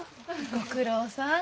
ご苦労さん。